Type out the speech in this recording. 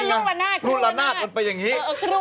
ขึ้นลูกละนาดมันไปอย่างนี้